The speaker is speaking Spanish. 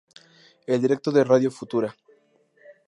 El directo de Radio Futura".